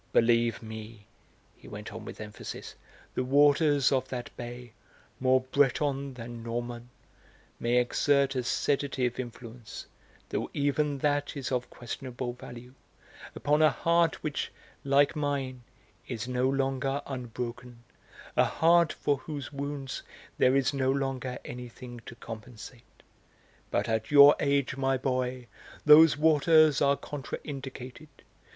Believe me," he went on with emphasis, "the waters of that bay more Breton than Norman may exert a sedative influence, though even that is of questionable value, upon a heart which, like mine, is no longer unbroken, a heart for whose wounds there is no longer anything to compensate. But at your age, my boy, those waters are contra indicated....